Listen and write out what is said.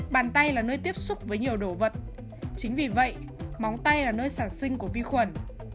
bàn tay là nơi tiếp xúc với nhiều đồ vật chính vì vậy móng tay là nơi sản sinh của vi khuẩn